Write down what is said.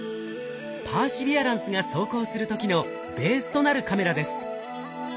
パーシビアランスが走行する時のベースとなるカメラです。